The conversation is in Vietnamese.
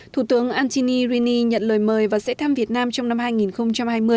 thủ tướng antti rini nhận lời mời và sẽ thăm việt nam trong năm hai nghìn hai mươi